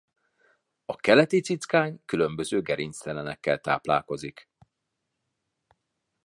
A keleti cickány különböző gerinctelenekkel táplálkozik.